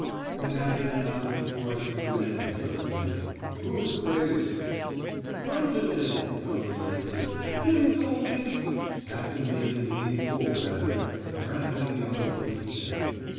The captain found his voice to demand suddenly: Who's crazy? "Brunton is!" Donnelly answered. Pim tol' me—" Captain Meaghan leaned forward at him, grasping the arms^ of his chair.